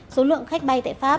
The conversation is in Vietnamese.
số lượng khách bay tại pháp